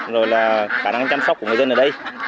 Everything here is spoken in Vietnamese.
rồi là khả năng chăm sóc của người dân ở đây